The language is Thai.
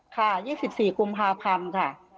ค่ะ๒๔กุมภาพันธุ์ค่ะ